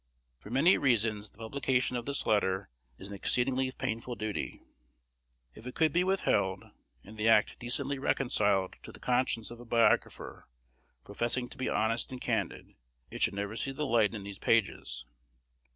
For many reasons the publication of this letter is an extremely painful duty. If it could be withheld, and the act decently reconciled to the conscience of a biographer professing to be honest and candid, it should never see the light in these pages.